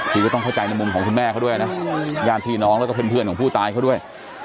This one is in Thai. คือก็ต้องเข้าใจในมุมของคุณแม่เขาด้วยนะญาติพี่น้องแล้วก็เพื่อนของผู้ตายเขาด้วย